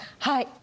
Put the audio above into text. はい。